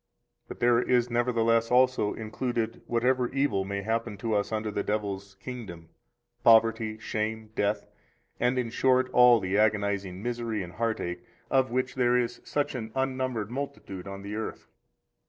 115 But there is nevertheless also included whatever evil may happen to us under the devil's kingdom poverty, shame, death, and, in short, all the agonizing misery and heartache of which there is such an unnumbered multitude on the earth.